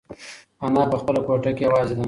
انا په خپله کوټه کې یوازې ده.